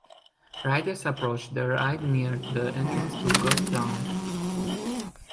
Riders approach the ride near the entrance to Ghost Town.